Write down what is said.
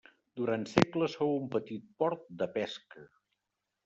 Durant segles fou un petit port de pesca.